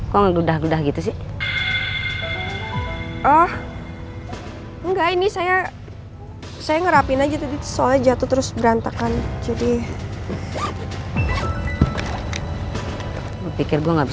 kenapa lu bikin mumpet